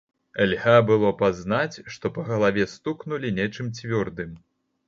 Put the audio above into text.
Льга было пазнаць, што па галаве стукнулі нечым цвёрдым.